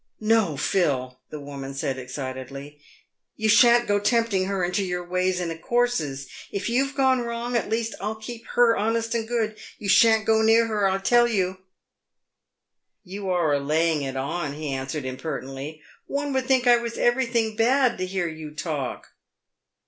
"No, Phil," the woman said, excitedly, "you shan't go tempting her into your ways and courses. If you've gone wrong, at least I'll keep her honest and good. You shan't go near her, I tell you." " You are a laying it on," he answered impertinently ;" one would think I was everything bad to hear you talk."